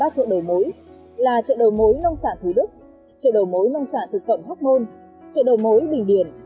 ba chợ đầu mối là chợ đầu mối nông sản thủ đức chợ đầu mối nông sản thực phẩm hóc môn chợ đầu mối bình điển